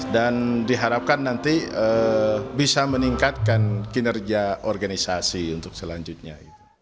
diharapkan nanti bisa meningkatkan kinerja organisasi untuk selanjutnya